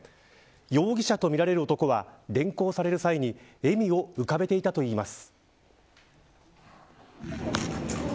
容疑者とみられる男は連行される際に笑みを浮かべていたといいます。